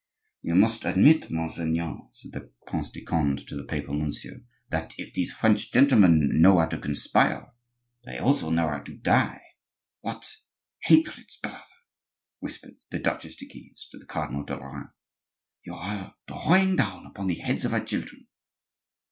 "You must admit, monseigneur," said the Prince de Conde to the papal nuncio, "that if these French gentlemen know how to conspire, they also know how to die." "What hatreds, brother!" whispered the Duchesse de Guise to the Cardinal de Lorraine, "you are drawing down upon the heads of our children!"